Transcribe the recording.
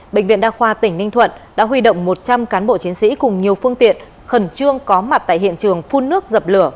bệnh viện đa khoa tỉnh ninh thuận đã huy động một trăm linh cán bộ chiến sĩ cùng nhiều phương tiện khẩn trương có mặt tại hiện trường phun nước dập lửa